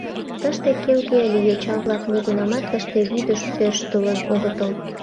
Тыште келге ыле, йоча-влак нигунамат тыште вӱдыш тӧрштылын огытыл.